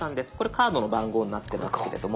カードの番号になってますけれども。